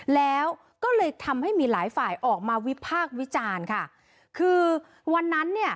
แล้วก็เลยทำให้มีหลายฝ่ายออกมาวิพากษ์วิจารณ์ค่ะคือวันนั้นเนี่ย